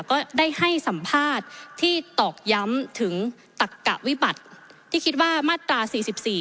ก็ได้ให้สัมภาษณ์ที่ตอกย้ำถึงตักกะวิบัติที่คิดว่ามาตราสี่สิบสี่